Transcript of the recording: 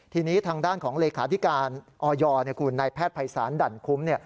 ทีนี้ทางด้านของเลขาธิการออยคุณนายแพทย์ภัยศาลดั่นคุ้ม